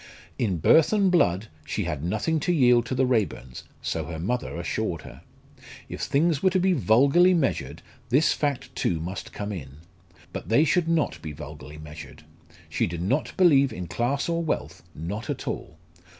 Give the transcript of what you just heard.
In birth and blood she had nothing to yield to the Raeburns so her mother assured her. If things were to be vulgarly measured, this fact too must come in. But they should not be vulgarly measured. She did not believe in class or wealth not at all.